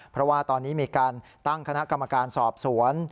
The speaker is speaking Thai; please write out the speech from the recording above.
เพราะว่าตอนนี้มีการตั้งคณะกรรมการสอบสวน